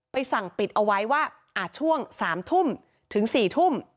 ไปสั่งปิดเอาไว้ว่าอ่าช่วงสามทุ่มถึงสี่ทุ่ม